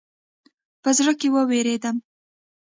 په زړه کې وېرېدم.